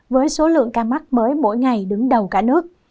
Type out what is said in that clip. với số lượng ca mắc mới mỗi ngày đứng đầu cả nước